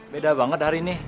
beda banget hari ini